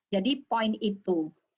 jadi poin itu